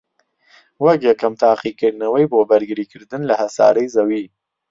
وەک یەکەم تاقیکردنەوەی بۆ بەرگریکردن لە هەسارەی زەوی